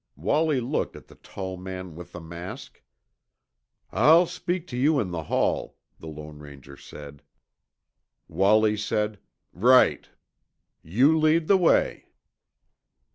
Wallie looked at the tall man with the mask. "I'll speak to you in the hall," the Lone Ranger said. Willie said, "Right." "You lead the way."